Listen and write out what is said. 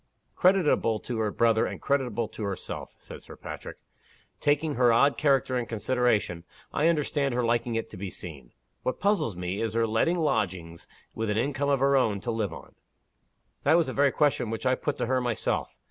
"Creditable to her brother, and creditable to herself," said Sir Patrick. "Taking her odd character into consideration, I understand her liking it to be seen. What puzzles me, is her letting lodgings with an income of her own to live on." "That was the very question which I put to her myself.